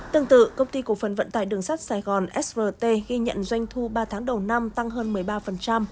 tương tự công ty cổ phần vận tải đường sắt sài gòn srt ghi nhận doanh thu ba tháng đầu năm tăng hơn một mươi ba